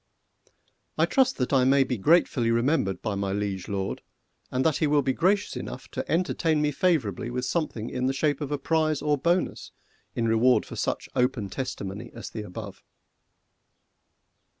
I trust that I may be gratefully remembered by my Liege Lord, and that he will be gracious enough to entertain me favourably with something in the shape of prize or bonus in reward for such open testimony as the above.